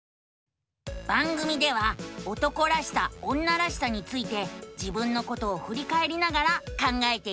番組では「男らしさ女らしさ」について自分のことをふりかえりながら考えているのさ。